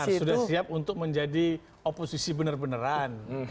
nah sudah siap untuk menjadi oposisi benar benaran